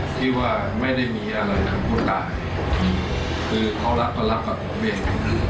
ที่ว่าไม่ได้มีอะไรทั้งคนตายคือเขารับก็รับกับผมเอง